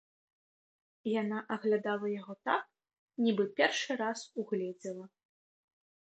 Яна аглядала яго так, нібы першы раз угледзела.